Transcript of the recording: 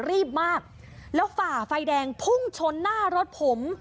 รีบมากแล้วฝ่าไฟแดงพุ่งชนหน้ารถผม